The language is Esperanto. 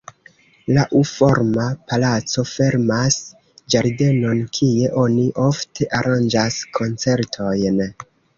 La U-forma palaco fermas ĝardenon, kie oni ofte aranĝas koncertojn.